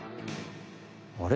あれ？